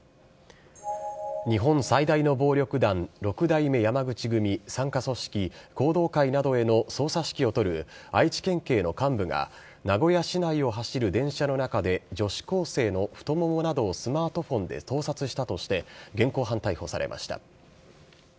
日本最大の暴力団、六代目山口組傘下組織弘道会などへの捜査指揮を執る愛知県警の幹部が、名古屋市内を走る電車の中で女子高生の太ももなどをスマートフォンで盗撮したとして、現行犯逮捕されました。